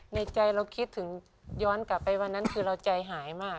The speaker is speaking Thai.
ในใจเราคิดถึงย้อนกลับไปวันนั้นคือเราใจหายมาก